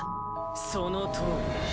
そのとおり。